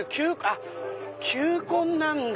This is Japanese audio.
あっ球根なんだ！